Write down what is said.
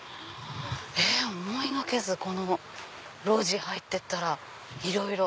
思いがけずこの路地入ってったらいろいろ。